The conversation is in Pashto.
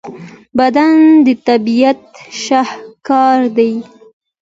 بدن د طبیعت شاهکار دی.